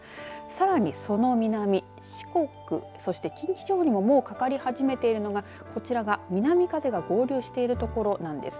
さらに、その南四国そして近畿地方にももうかかり始めているのがこちらが南風が合流している所なんです。